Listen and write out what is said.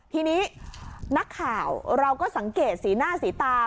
ทีนี้นักข่าวเราก็สังเกตสีหน้าสีตา